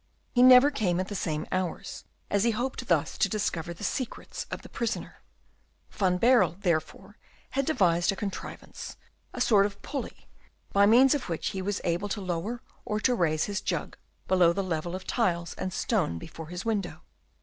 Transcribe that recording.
He never came at the same hours as he hoped thus to discover the secrets of the prisoner. Van Baerle, therefore, had devised a contrivance, a sort of pulley, by means of which he was able to lower or to raise his jug below the ledge of tiles and stone before his window.